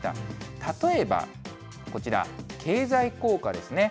例えばこちら、経済効果ですね。